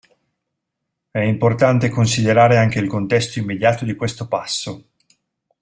È importante considerare anche il contesto immediato di questo passo.